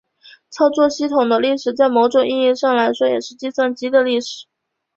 操作系统的历史在某种意义上来说也是计算机的历史。